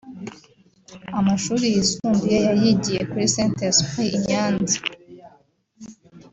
Amashuri yisumbuye yayigiye kuri Sainte Esprit Nyanza